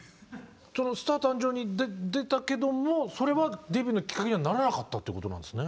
「スター誕生！」に出たけどもそれはデビューのきっかけにはならなかったということなんですね。